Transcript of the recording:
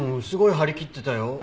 すごい張り切ってたよ。